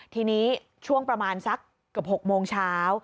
ทีนี้ช่วงประมาณสักเกือบ๖โมงเช้า